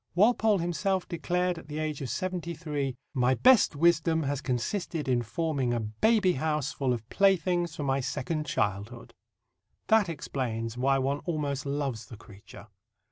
Walpole himself declared at the age of seventy three: "My best wisdom has consisted in forming a baby house full of playthings for my second childhood." That explains why one almost loves the creature.